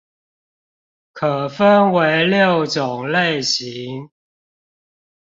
可分為六種類型